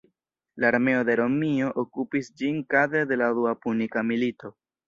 La armeo de Romio okupis ĝin kadre de la Dua Punika Milito.